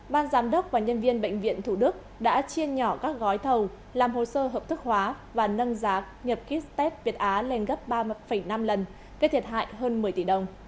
ban giám đốc và nhân viên bệnh viện thủ đức đã chiên nhỏ các gói thầu làm hồ sơ hợp thức hóa và nâng giá nhập kit test việt á lên gấp ba năm lần gây thiệt hại hơn một mươi tỷ đồng